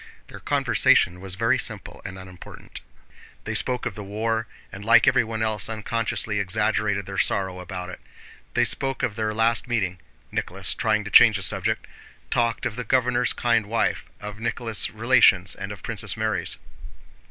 Their conversation was very simple and unimportant. They spoke of the war, and like everyone else unconsciously exaggerated their sorrow about it; they spoke of their last meeting—Nicholas trying to change the subject—they talked of the governor's kind wife, of Nicholas' relations, and of Princess Mary's.